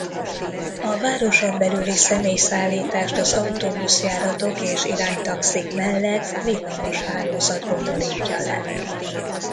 A városon belüli személyszállítást az autóbuszjáratok és iránytaxik mellett villamoshálózat bonyolítja le.